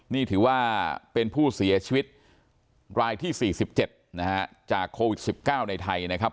นี่ถือว่าเป็นผู้เสียชีวิตรายที่๔๗นะฮะจากโควิด๑๙ในไทยนะครับ